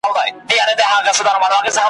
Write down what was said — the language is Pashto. څوک به لیکي پر کیږدیو ترانې د دنګو ښکلیو `